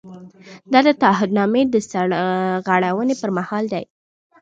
دا د تعهد نامې د سرغړونې پر مهال دی.